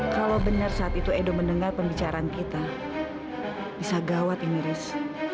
kalau benar saat itu edo mendengar pembicaraan kita bisa gawat ini riz